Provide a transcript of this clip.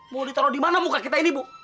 mau ditaruh di mana muka kita ini bu